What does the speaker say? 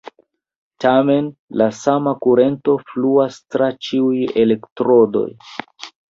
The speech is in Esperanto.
Tamen, la sama kurento fluas tra ĉiuj elektrodoj.